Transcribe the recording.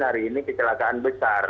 hari ini kecelakaan besar